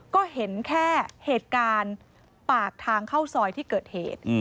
ก็เห็นแค่เหตุการณ์ปากทางเข้าซอยที่เกิดเหตุ